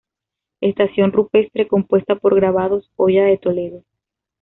Estación Rupestre compuesta por Grabados; Hoya de Toledo.